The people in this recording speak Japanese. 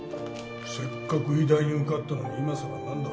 せっかく医大に受かったのにいまさら何だ